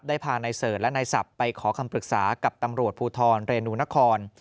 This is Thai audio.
พานายเสิร์ชและนายศัพท์ไปขอคำปรึกษากับตำรวจภูทรเรนูนคร